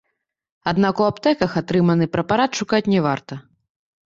Аднак у аптэках атрыманы прэпарат шукаць не варта.